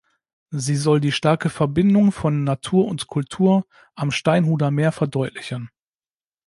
Sie soll die starke Verbindung von Natur und Kultur am Steinhuder Meer verdeutlichen.